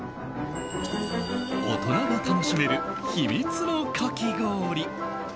大人が楽しめるヒミツのかき氷。